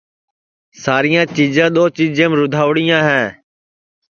ساریاں چیجاں دؔوجیم رودھاوڑیاں ہے